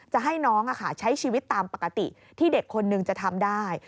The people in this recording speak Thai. จะให้น้องใช้ชีวิตตามปกติที่เด็กคนนึงจะทำได้